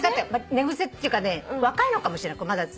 寝癖っていうかね若いのかもしれないまだ。